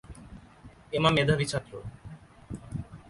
এমা মেধাবী ছাত্র।